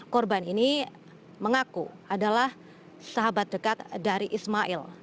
korban ini mengaku adalah sahabat dekat dari ismail